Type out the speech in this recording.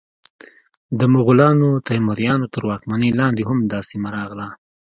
د مغولانو، تیموریانو تر واکمنۍ لاندې هم دا سیمه راغله.